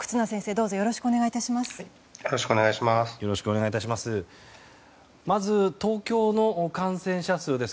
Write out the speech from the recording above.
どうぞよろしくお願い致します。